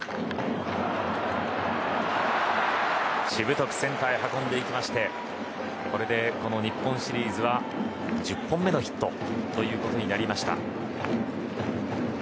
しぶとくセンターへ運びましてこれで、この日本シリーズで１０本目のヒットとなりました。